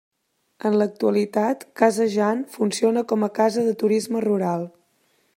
En l'actualitat, Casa Jan, funciona com a casa de turisme rural.